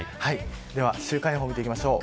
では週間予報を見ていきましょう。